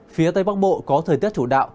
phía tây bắc bộ có thời tiết chủ đạo